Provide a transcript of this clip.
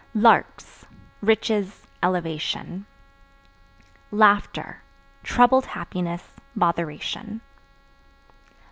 Larks Riches, elevation. Laughter Troubled happiness, botheration.